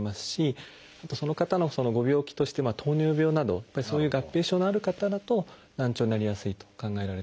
あとその方のご病気として糖尿病などそういう合併症のある方だと難聴になりやすいと考えられてます。